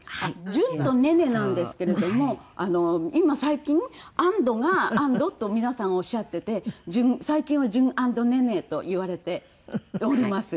「じゅんとネネ」なんですけれども今最近「＆」が「アンド」と皆さんおっしゃってて最近は「じゅんアンドネネ」と言われております。